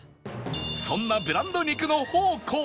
そんなブランド肉の宝庫